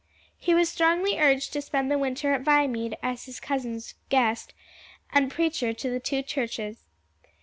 He was strongly urged to spend the Winter at Viamede as his cousin's guest, and preacher to the two churches.